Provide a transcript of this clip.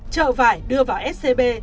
trợ vải đưa vào scb